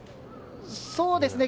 そうですね。